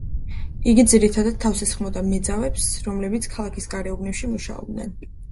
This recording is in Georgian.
იგი ძირითადად თავს ესხმოდა მეძავებს, რომლებიც ქალაქის გარეუბნებში მუშაობდნენ.